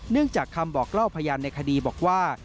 จากคำบอกเล่าพยานในคดีบอกว่า